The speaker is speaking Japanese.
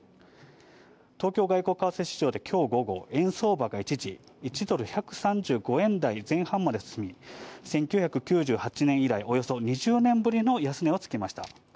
東京外国為替市場できょう午後、円相場が一時、１ドル１３５円台前半まで進み、１９９８年以来、およそ２０年ぶりの安値をつけました。